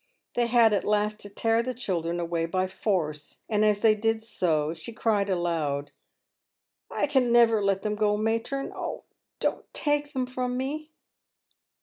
They had at last to tear the children away by force, and as they did so, she cried aloud, " I can never let them go, matron ; oh ! don't take them from me."